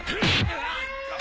うわっ！